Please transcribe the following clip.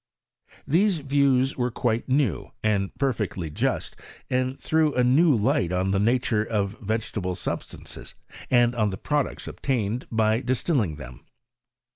These views were quite new and perfectly just, and threw a new light on the nature of vege™ table substances and on the products obtained by distilling them.